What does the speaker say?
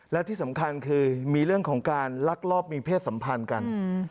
และที่สำคัญคือมีเรื่องของการลักลอบมีเพศสัมพันธ์กัน